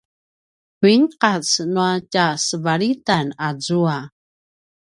vinqac nua tjasevalitan azua